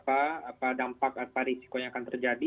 apa dampak apa risiko yang akan terjadi